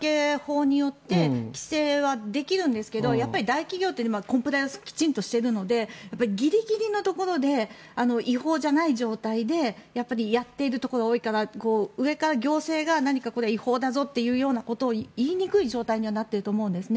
規制はできるんですけど大企業ってコンプライアンスをきっちりしているのでギリギリのところで違法じゃない状態でやっているところが多いから上から行政が何か違法だぞということを言いにくい状態にはなっていると思うんですね。